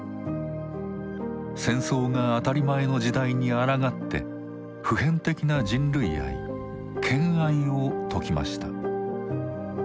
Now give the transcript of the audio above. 戦争が当たり前の時代にあらがって普遍的な人類愛「兼愛」を説きました。